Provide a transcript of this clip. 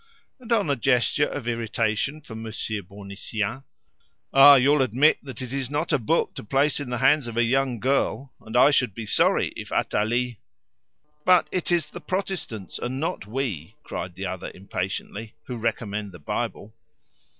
And on a gesture of irritation from Monsieur Bournisien "Ah! you'll admit that it is not a book to place in the hands of a young girl, and I should be sorry if Athalie " "But it is the Protestants, and not we," cried the other impatiently, "who recommend the Bible."